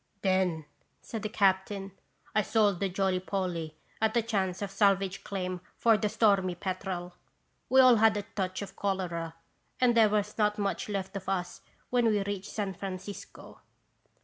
" Then," said the captain, " I sold the Jolly Polly and the chance of salvage claim for the Stormy Petrel. We all had a touch of cholera, and there was not much left of us when we reached San Francisco."